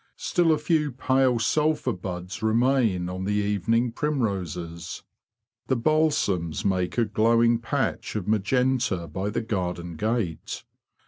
Still a few pale sulphur buds remain on the evening primroses. The balsams make a glowing patch of majenta by the garden gate.